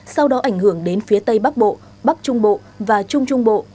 sau đó ảnh hưởng đến phía tây bắc bộ bắc trung bộ và trung trung bộ